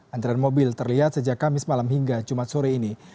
antrean mobil terlihat sejak kamis malam hingga jumat sore ini